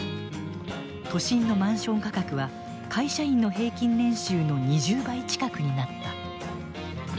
都心のマンション価格は会社員の平均年収の２０倍近くになった。